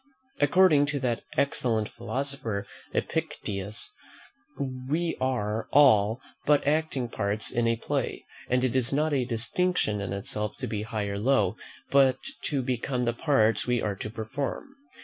According to that excellent philosopher Epictetus, we are all but acting parts in a play; and it is not a distinction in itself to be high or low, but to become the parts we are to perform.